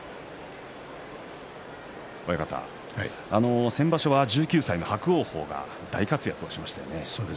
親方、先場所は１９歳の伯桜鵬が大活躍しましたね。